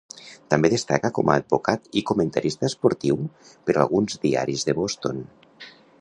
També destacà com a advocat i comentarista esportiu per alguns diaris de Boston.